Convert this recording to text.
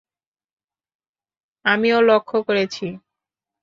আমিও লক্ষ্য করেছি।